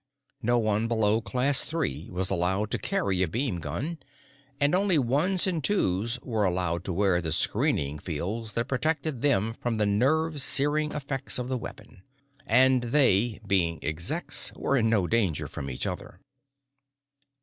No one below Class Three was allowed to carry a beamgun, and only Ones and Twos were allowed to wear the screening fields that protected them from the nerve searing effects of the weapon. And they, being Execs, were in no danger from each other.